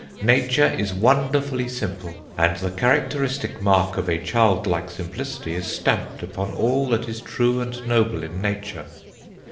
Nature is wonderfully simple, and the characteristic mark of a childlike simplicity is stamped upon all that is true and noble in Nature."